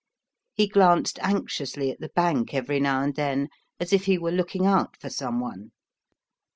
He glanced anxiously at the bank every now and then, as if he were looking out for some one.